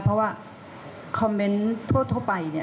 เพราะว่าคอมเมนต์ทั่วไปเนี่ย